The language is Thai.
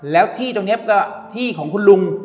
แล้วที่ของคุณลุง